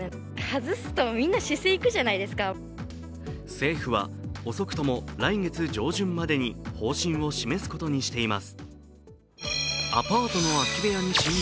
政府は遅くとも来月上旬までに方針を示すことにしています。